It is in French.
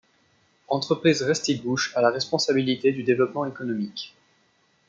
Entreprise Restigouche a la responsabilité du développement économique.